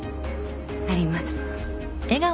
あります